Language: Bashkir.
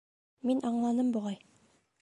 Мин аңланым, буғай.